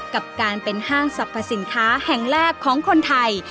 กับการเป็นห้างสรรพสินค้าแห่งแรกของคนไทย